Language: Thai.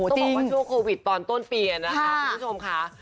ต้องบอกว่าช่วงโควิดตอนต้นปีนะคะคุณผู้ชมค่ะ